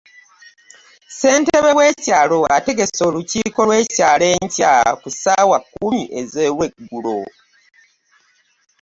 ssentebe w'ekyalo ategese olukiiko lw'ekyalo enkya ku saawa kumi ez'olwegulo.